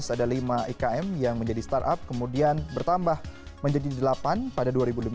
dua ribu empat belas ada lima ikm yang menjadi startup kemudian bertambah menjadi delapan pada dua ribu lima belas